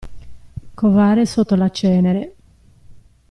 Covare sotto le cenere.